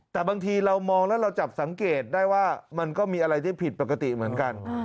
แต่บางทีเรามองแล้วเราจับสังเกตได้ว่ามันก็มีอะไรที่ผิดปกติเหมือนกัน